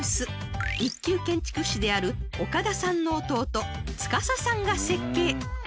［一級建築士である岡田さんの弟宰さんが設計］